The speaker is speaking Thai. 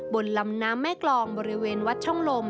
บนลำน้ำแม่กรองบริเวณวัดช่องลม